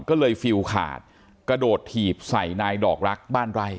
ก็เลยฟิลขาดกระโดดถีบใส่นายดอกรักบ้านไร่